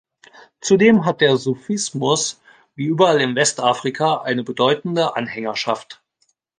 Zudem hat der Sufismus wie überall in Westafrika eine bedeutende Anhängerschaft.